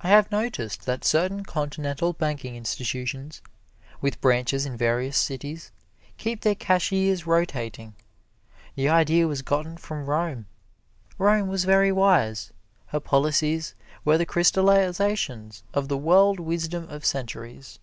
I have noticed that certain Continental banking institutions, with branches in various cities, keep their cashiers rotating. The idea was gotten from Rome. Rome was very wise her policies were the crystallizations of the world wisdom of centuries.